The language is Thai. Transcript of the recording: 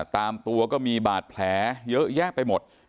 ตามตัวก็มีบาดแผลเยอะแยะไปหมด